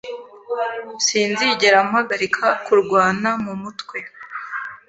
Sinzigera mpagarika kurwana mu mutwe